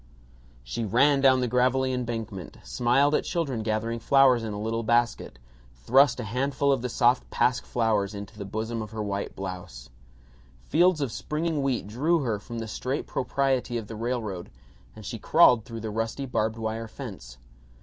She ran down the gravelly embankment, smiled at children gathering flowers in a little basket, thrust a handful of the soft pasque flowers into the bosom of her white blouse. Fields of springing wheat drew her from the straight propriety of the railroad and she crawled through the rusty barbed wire fence.